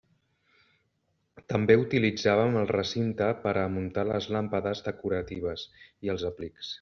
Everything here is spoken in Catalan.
També utilitzàvem el recinte per a muntar les làmpades decoratives i els aplics.